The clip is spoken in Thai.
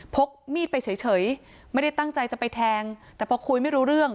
พกมีดไปเฉยไม่ได้ตั้งใจจะไปแทงแต่พอคุยไม่รู้เรื่อง